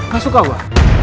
gak suka gue